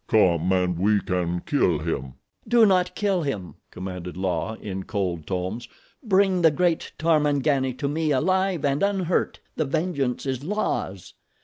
"Come and we can kill him." "Do not kill him," commanded La in cold tones. "Bring the great Tarmangani to me alive and unhurt. The vengeance is La's.